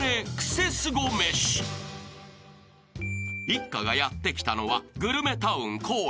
［一家がやって来たのはグルメタウン］